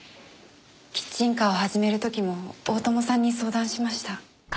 キッチンカーを始める時も大友さんに相談しました。